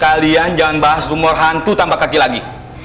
kalian jangan bahas rumor hantu tanpa kaki lagi